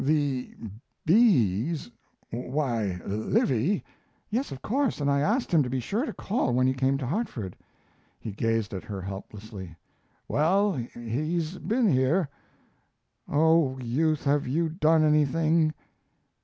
"The B s Why, Livy " "Yes, of course, and I asked him to be sure to call when he came to Hartford." He gazed at her helplessly. "Well, he's been here." "Oh, Youth, have you done anything?"